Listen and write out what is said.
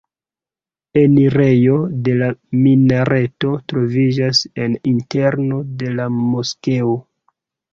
Enirejo de la minareto troviĝas en interno de la moskeo.